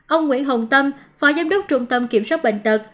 ông nguyễn hồng tâm phó giám đốc trung tâm kiểm soát bệnh tật